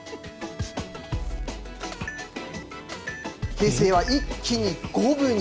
形勢は一気に五分に。